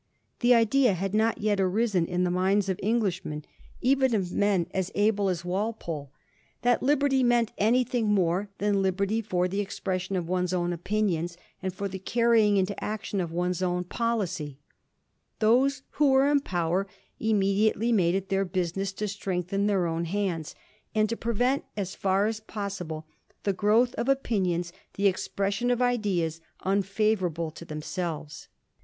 The idea had not yet arisen in the minds of Englishmen — even of men as able Digiti zed by Google 1716. LIBERTY OF OPINION. 189 as Walpole — that liberty meant anjrtlimg more than Kberty for the expression of one's OTm opinions, and for the carrying into action of one's own policy. Those who were in power immediately made it their business to strengthen their own hands, and to prevent, as far as possible, the growth of opinions, the expression of ideas, unfavom'able to themselves.